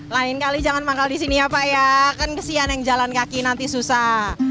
lain kali jangan manggal di sini ya pak ya kan kesian yang jalan kaki nanti susah